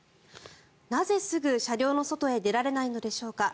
なぜ、すぐ車両の外へ出られないのでしょうか。